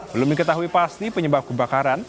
belum diketahui pasti penyebab kebakaran